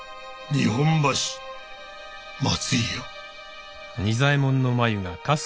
日本橋松井屋。